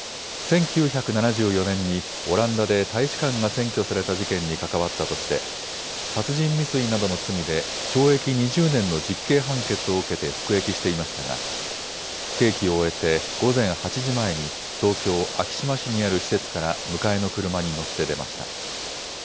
１９７４年にオランダで大使館が占拠された事件に関わったとして殺人未遂などの罪で懲役２０年の実刑判決を受けて服役していましたが刑期を終えて午前８時前に東京昭島市にある施設から迎えの車に乗って出ました。